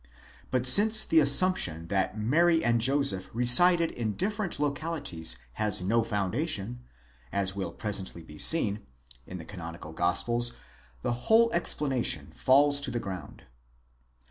But since the assumption that Mary and Joseph resided in different localities has no foundation, as will presently be seen, in the canonical Gospels, the whole explanation falls to the ground.